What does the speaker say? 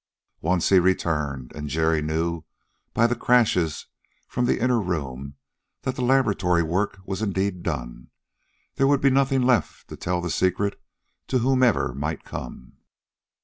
Once he returned, and Jerry knew by the crashes from the inner room that the laboratory work was indeed done. There would be nothing left to tell the secret to whomever might come.